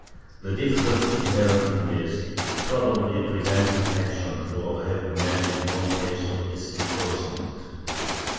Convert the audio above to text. ^ The difficulty inherent in this probably prevented action, for I have met with no case of its enforcement.